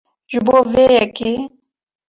Ji bo vê yekê